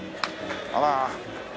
あら。